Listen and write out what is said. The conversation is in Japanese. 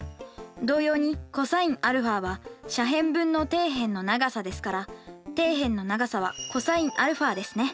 同様にｃｏｓαは斜辺分の底辺の長さですから底辺の長さはｃｏｓαですね。